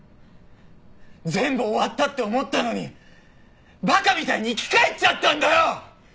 全部終わったって思ったのに馬鹿みたいに生き返っちゃったんだよ！